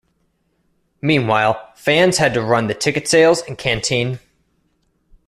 Meanwhile fans had to run the ticket sales and canteen.